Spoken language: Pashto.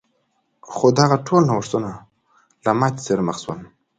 خو دغه ټول نوښتونه له ماتې سره مخ شول.